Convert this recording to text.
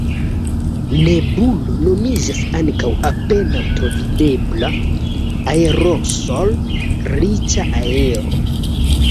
Nebulo nomiĝas ankaŭ apenaŭ travidebla aerosol-riĉa aero.